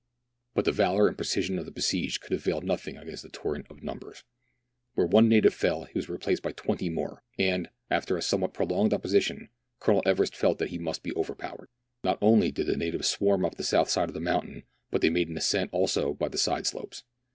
But the valour and precision of the besieged could avail nothing against the torrent of numbers. Where one native fell, he was replaced by twenty more, and, after a some what prolonged opposition. Colonel Everest felt that he must be overpowered. Not only did the natives swarm up the south .slope of the mountain, but they made an ascent also by the side slopes.